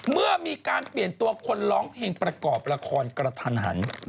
เมื่อมีการเปลี่ยนตัวคนร้องเพลงประกอบละครกระทันหัน